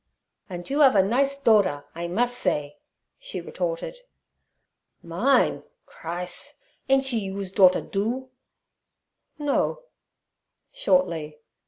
'Andt you 'ave a nise dotter, I mus' say' she retorted. 'Mine. Chrise! Ain't she yous dotter, doo?' 'No'—shortly.